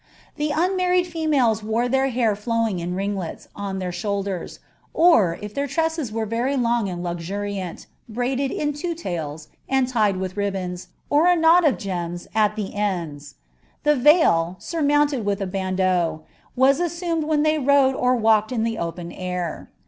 The unmarried females wore W> hair Aowing in ringlets on the shoulders, or, if their tiessea w«n Wf long and luxuriant, braided in two tails, and tied with ribbouf , or k Imi of gems, at the ends. Tlie veil, surmouuied with a bandeau, was miimri when tliey rode or walked in the open air.